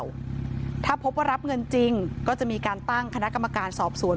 แล้วถ้าพบว่ารับเงินจริงก็จะมีการตั้งคณะกรรมการสอบสวน